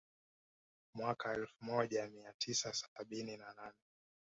Mwaka elfu moaja mia tisa sabini na nane